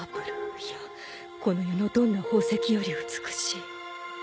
いやこの世のどんな宝石より美しい。